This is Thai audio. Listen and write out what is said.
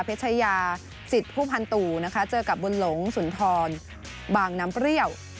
ชายาสิทธิ์ผู้พันตู่นะคะเจอกับบุญหลงสุนทรบางน้ำเปรี้ยว